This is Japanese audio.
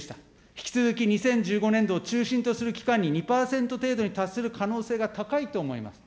引き続き２０１５年度を中心とする期間に２％程度に達する可能性が高いと思います。